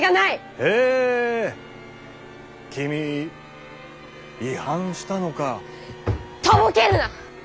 へえ君違反したのか。とぼけるなッ！